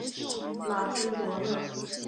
马兹罗勒。